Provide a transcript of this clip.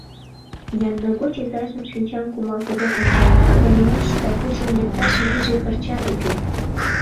Янда гоч изажым шинчам кумалтыде онча, а кынелаш да куржын лекташ вийже пырчат уке.